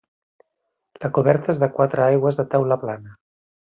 La coberta és de quatre aigües de teula plana.